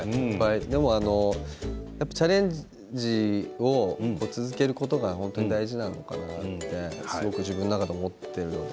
でもチャレンジを続けることが本当に大事なのかなってすごく自分の中で思っているので。